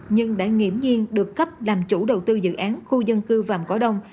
nhưng đã nghiễm nhiên được cấp làm chủ đầu tư dự án khu dân cư vàng cỏ đông